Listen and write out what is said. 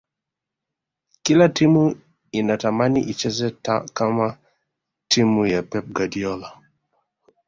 kila timu inatamani icheze kama timu ya pep guardiola